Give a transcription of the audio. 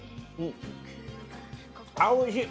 あっおいしい。